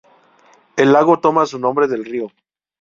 El lago toma su nombre del río.